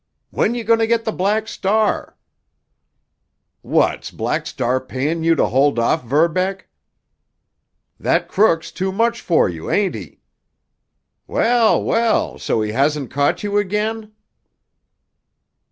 "When you goin' to get the Black Star?" "What's Black Star payin' you to hold off, Verbeck?" "That crook's too much for you, ain't he?" "Well, well—so he hasn't caught you again?"